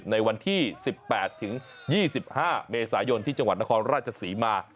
ในวันที่๑๘ถึง๒๕เมษายนที่จังหวัดนครราชศรีมา